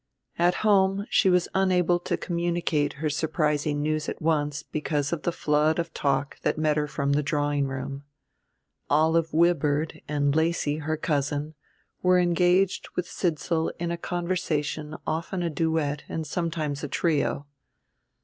At home she was unable to communicate her surprising news at once because of the flood of talk that met her from the drawing room. Olive Wibird and Lacy, her cousin, were engaged with Sidsall in a conversation often a duet and sometimes a trio.